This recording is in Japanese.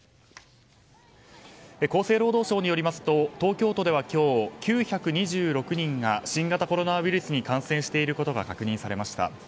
厚生労働省によりますと東京都では今日９２６人が新型コロナウイルスに感染していることが確認されました。